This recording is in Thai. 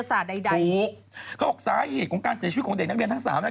เขาบอกสาขาของการเสียชีวิตของเด็กนักเรียนทั้ง๓นะ